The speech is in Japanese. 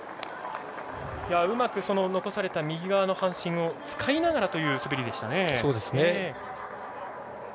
うまく残された右側の半身を使いながらという滑りでした。